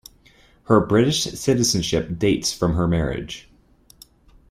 Her British citizenship dates from her marriage.